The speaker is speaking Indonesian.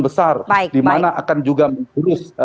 besar dimana akan juga mengurus